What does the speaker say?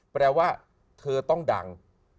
แปลว่าเธอต้องดัง